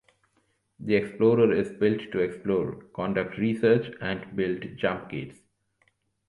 The Explorer is built to explore, conduct research, and build Jumpgates.